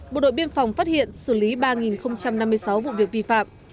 bộ đội biên phòng phát hiện xử lý ba năm mươi sáu vụ việc vi phạm